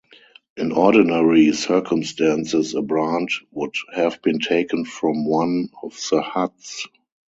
In ordinary circumstances a brand would have been taken from one of the huts.